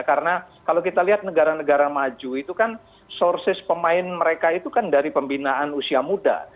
karena kalau kita lihat negara negara maju itu kan sources pemain mereka itu kan dari pembinaan usia muda